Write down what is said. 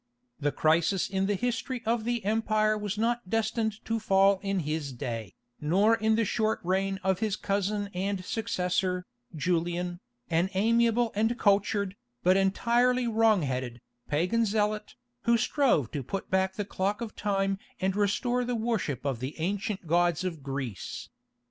The crisis in the history of the empire was not destined to fall in his day, nor in the short reign of his cousin and successor, Julian, the amiable and cultured, but entirely wrongheaded, pagan zealot, who strove to put back the clock of time and restore the worship of the ancient gods of Greece.